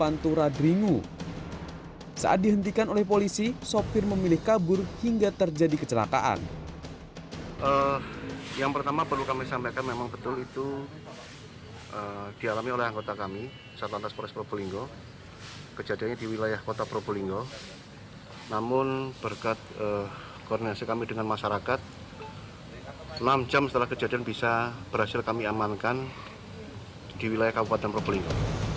namun berkat koordinasi kami dengan masyarakat enam jam setelah kejadian bisa berhasil kami amankan di wilayah kabupaten probolinggo